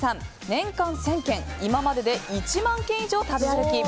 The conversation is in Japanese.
年間１０００軒今までで１万軒以上食べ歩き